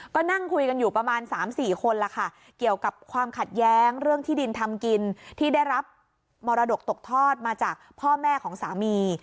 ก็นั่งคุยกันอยู่ประมาณ๓๔คนล่ะค่ะเกี่ยวกับความขัดแย้งเรื่องที่ดินทำกินที่ได้รับมรดกตกทอดมาจากพ่อแม่ของสามี